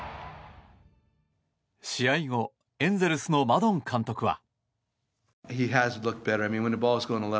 試合後、エンゼルスのマドン監督は。